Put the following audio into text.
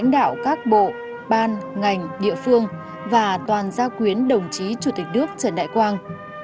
bộ các bộ ban ngành địa phương và toàn gia quyến đồng chí chủ tịch nước trần đại quang